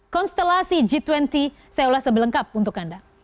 konstelasi g dua puluh saya ulas sebelengkap untuk anda